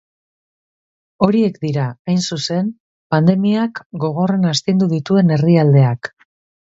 Horiek dira, hain zuzen, pandemiak gogorren astindu dituen herrialdeak.